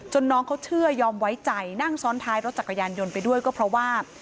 น้องเขาเชื่อยอมไว้ใจนั่งซ้อนท้ายรถจักรยานยนต์ไปด้วยก็เพราะว่า